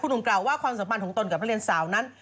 หนุ่มกล่าวว่าความสัมพันธ์ของตนกับนักเรียนสาวนั้น